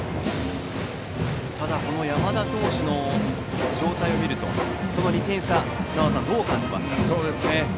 ただ、山田投手の状態を見るとこの２点差、どう感じますか。